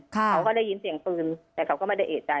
เขาก็ได้ยินเสียงปืนแต่เขาก็ไม่ได้เอกใจ